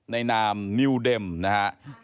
นามนิวเด็มนะฮะ